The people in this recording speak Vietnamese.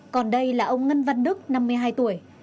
còn đây là ông ngân văn đức năm mươi hai tuổi